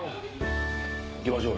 行きましょう。